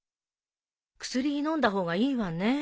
薬飲んだ方がいいわね。